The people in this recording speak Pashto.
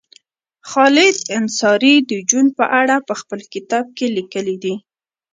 خالد انصاري د جون په اړه په خپل کتاب کې لیکلي دي